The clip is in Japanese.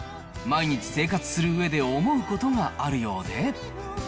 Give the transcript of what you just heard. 毎日生活するうえで思うことがあるようで。